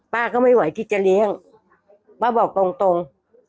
ป้าก็ไม่ไหวที่จะเลี้ยงป้าบอกตรงตรง